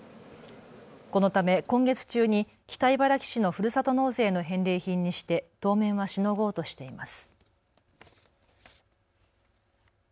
このため今月中に北茨城市のふるさと納税の返礼品にして当面はしのごうとしています。